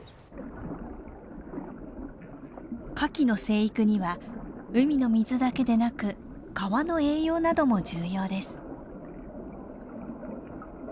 牡蠣の生育には海の水だけでなく川の栄養なども重要です。